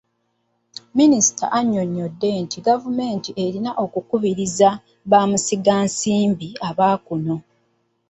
Minisita yannyonnyodde nti gavumenti erina okukubiriza bamusigansimbi aba kuno.